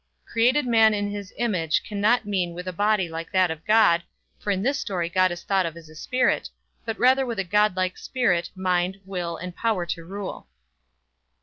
"Created man in his image" can not mean with a body like that of God (for in this story God is thought of as a spirit), but rather with a God like spirit, mind, will, and power to rule.